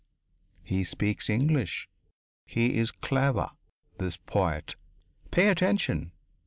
He speaks English. He is clever, this poet! Pay attention."